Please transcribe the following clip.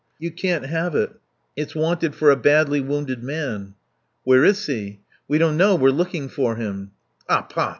"You can't have it. It's wanted for a badly wounded man." "Where is he?" "We don't know. We're looking for him." "Ah, pah!